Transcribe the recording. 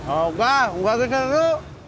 enggak enggak keseru